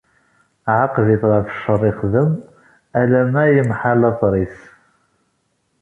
Ɛaqeb-it ɣef ccer ixeddem, alamma yemḥa lateṛ-is.